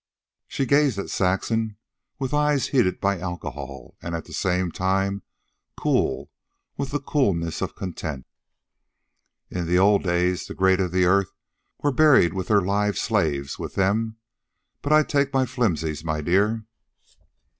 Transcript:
She gazed at Saxon with eyes heated by alcohol and at the same time cool with the coolness of content. "In the old days the great of earth were buried with their live slaves with them. I but take my flimsies, my dear."